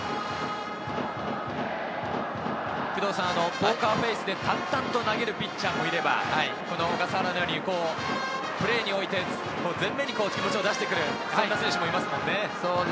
ポーカーフェースで淡々と投げるピッチャーもいれば、小笠原のようにプレーにおいて前面に気持ちを出してくる、そんな選手もいますもんね。